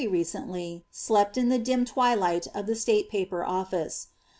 171 werj recently, slept in the dim twilight of the State Paper Ollice.